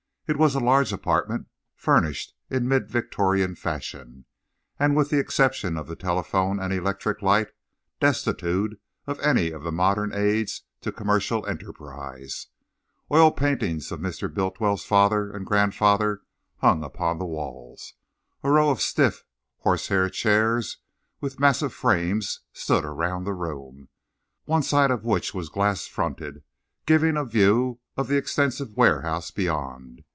It was a large apartment, furnished in mid Victorian fashion, and, with the exception of the telephone and electric light, destitute of any of the modern aids to commercial enterprise. Oil paintings of Mr. Bultiwell's father and grandfather hung upon the walls. A row of stiff, horsehair chairs with massive frames stood around the room, one side of which was glass fronted, giving a view of the extensive warehouse beyond.